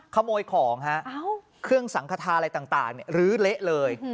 ขโมยของฮะเครื่องสังขทาอะไรต่างลื้อเละเลย